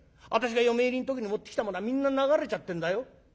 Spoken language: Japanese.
私が嫁入りの時に持ってきたものはみんな流れちゃってんだよ。